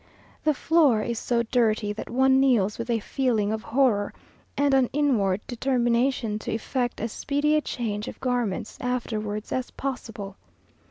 The floor is so dirty that one kneels with a feeling of horror, and an inward determination to effect as speedy a change of garments afterwards as possible.